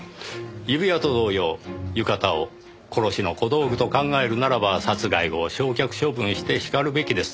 指輪と同様浴衣を殺しの小道具と考えるならば殺害後焼却処分してしかるべきです。